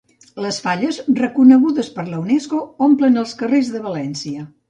Les Falles, reconegudes per la Unesco, omplen els carrers de València.